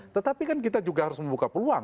tetapi kan kita juga harus membuka peluang